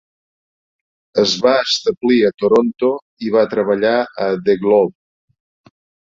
Es va establir a Toronto i va treballar a "The Globe".